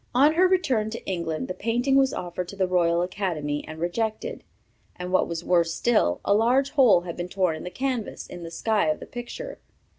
On her return to England the painting was offered to the Royal Academy and rejected. And what was worse still, a large hole had been torn in the canvas, in the sky of the picture.